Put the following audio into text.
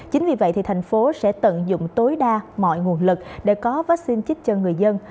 chính vì vậy thì thành phố sẽ tận dụng tối đa mọi nguồn lực để có vaccine trích cho người dân